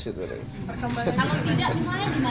kalau tidak gimana